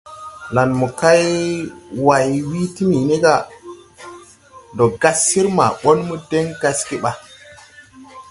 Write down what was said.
Lan mokay Way wii Timini ga: Ndo gas sir ma ɓon mo deŋ gasge ɓa?